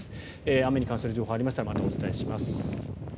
雨に関する情報がありましたらまたお伝えします。